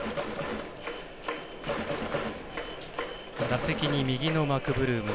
打席に右のマクブルーム。